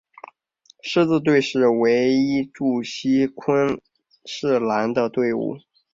狮子队是唯一驻锡昆士兰的队伍。